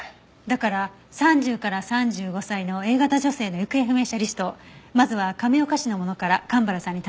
だから３０から３５歳のＡ型女性の行方不明者リストをまずは亀岡市のものから蒲原さんに頼みました。